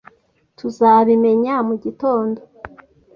"Tuzabimenya mu gitondo."